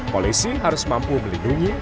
polisi harus mampu melindungi